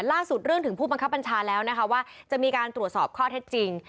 เรื่องถึงผู้บังคับบัญชาแล้วนะคะว่าจะมีการตรวจสอบข้อเท็จจริง